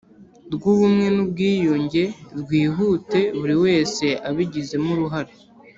Rw ubumwe n ubwiyunge rwihute buri wese abigizemo uruhare